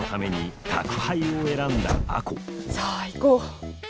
さあ行こう。